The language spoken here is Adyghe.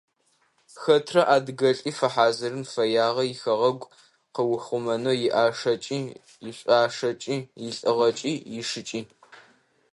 Хэтрэ адыгэлӀи фэхьазырын фэягъэ ихэгъэгу къыухъумэнэу иӀашэкӀи, ишъуашэкӀи, илӀыгъэкӀи, ишыкӀи.